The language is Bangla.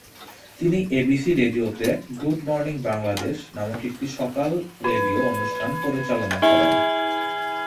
তিনি এবিসি রেডিওতে "গুড মর্নিং বাংলাদেশ" নামক একটি সকাল রেডিও অনুষ্ঠান পরিচালনা করেন।